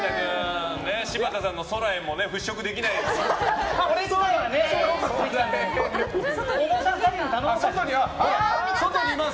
柴田さんの「空へ」も払しょくできないまま。